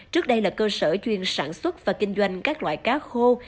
trước đây là cơ sở chuyên sản xuất và kinh doanh các loại cá khô